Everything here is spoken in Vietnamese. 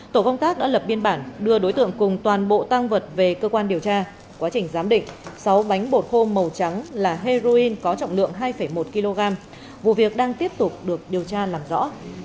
tổ công tác đã lập biên bản đưa đối tượng cùng toàn bộ tăng vật về cơ quan điều tra quá trình giám định sáu bánh bột khô màu trắng là heroin có trọng lượng hai một kg vụ việc đang tiếp tục được điều tra làm rõ